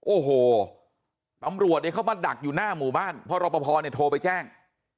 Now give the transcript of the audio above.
โอ้โหอำรวจเข้ามาดักอยู่หน้าหมู่บ้านเพราะรบภโทรไปแจ้ง